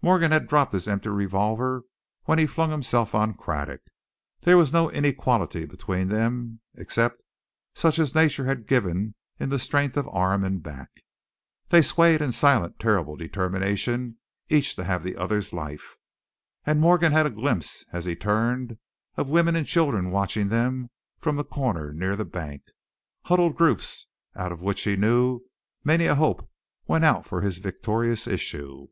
Morgan had dropped his empty revolver when he flung himself on Craddock. There was no inequality between them except such as nature had given in the strength of arm and back. They swayed in silent, terrible determination each to have the other's life, and Morgan had a glimpse, as he turned, of women and children watching them from the corner near the bank, huddled groups out of which he knew many a hope went out for his victorious issue.